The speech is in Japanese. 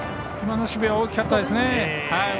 今の守備は大きかったですね。